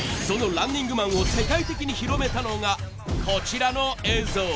そのランニングマンを世界的に広めたのがこちらの映像。